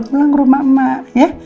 sampe dulu lo pulang rumah ma ya